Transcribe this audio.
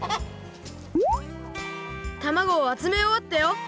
たまごをあつめおわったよ。